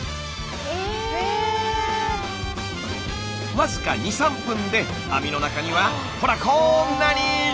僅か２３分で網の中にはほらこんなに！